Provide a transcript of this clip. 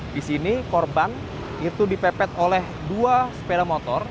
di sini korban itu dipepet oleh dua sepeda motor